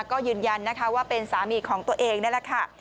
ก็ยืนยันนะคะว่าเป็นสามีของตัวเองนั่นแหละค่ะ